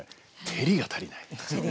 照りが足りない。